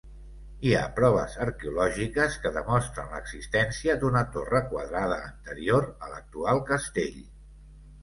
Hi ha proves arqueològiques que demostren l'existència d'una torre quadrada anterior a l'actual castell.